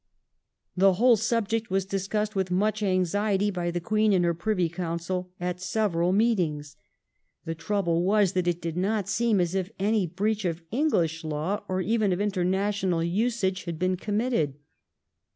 The whole subject was discussed with much anxiety by the Queen and her Privy Council at several meetings. The trouble was that it did not seem as if any breach of EngUsh law, or even of international usage, had been committed.